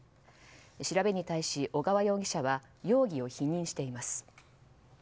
調べに対し小川容疑者は容疑を否認しています。